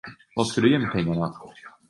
Vad ska du göra med pengarna?